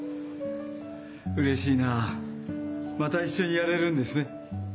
うれしいなぁまた一緒にやれるんですね。